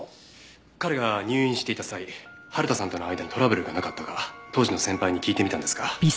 彼が入院していた際春田さんとの間にトラブルがなかったか当時の先輩に聞いてみたんですが。